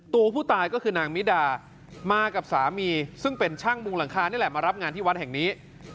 ตัวผู้ตายก็คือนางมิดามากับสามีซึ่งเป็นช่างมุงหลังคานี่แหละมารับงานที่วัดแห่งนี้